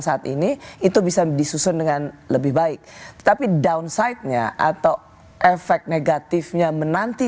saat ini itu bisa disusun dengan lebih baik tetapi downside nya atau efek negatifnya menanti